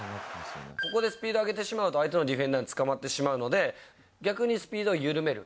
ここでスピード上げてしまうと、相手のディフェンダーにつかまってしまうので、逆にスピードを緩める。